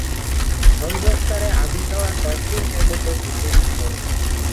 সংযোগ তারে আগুন দেওয়ার কয়েক মিনিটের মধ্যেই ঘটবে বিস্ফোরণ।